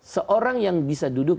seorang yang bisa duduk